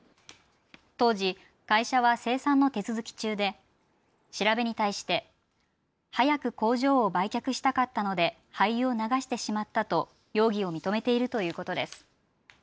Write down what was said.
当時、会社は清算の手続き中で調べに対して早く工場を売却したかったので廃油を流してしまったと容疑を認めているということです。